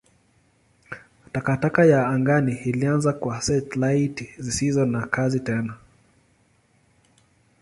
Takataka ya angani ilianza kwa satelaiti zisizo na kazi tena.